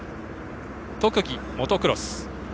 特技はモトクロス。